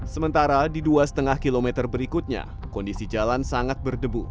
sementara di dua lima km berikutnya kondisi jalan sangat berdebu